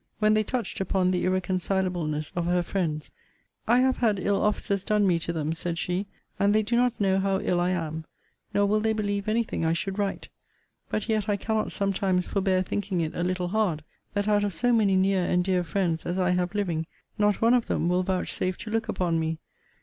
When they touched upon the irreconcileableness of her friends, I have had ill offices done me to them, said she, and they do not know how ill I am; nor will they believe any thing I should write. But yet I cannot sometimes forbear thinking it a little hard, that out of so many near and dear friends as I have living, not one of them will vouchsafe to look upon me.